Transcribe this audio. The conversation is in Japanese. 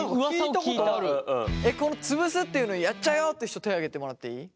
この潰すっていうのをやっちゃうよって人手挙げてもらっていい？